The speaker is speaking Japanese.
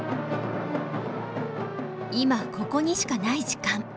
今ここにしかない時間。